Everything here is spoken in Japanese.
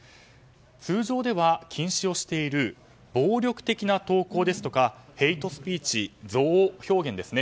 通常では禁止している暴力的な投稿ですとかヘイトスピーチ・憎悪表現